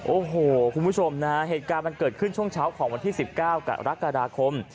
โอ้โหคุณผู้ชมนะฮะเหตุการณ์มันเกิดขึ้นช่วงเช้าของวันที่๑๙กรกฎาคม